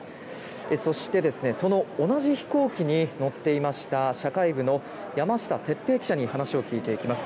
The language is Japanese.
そしてその同じ飛行機に乗っていました社会部の山下哲平記者に話を聞いていきます。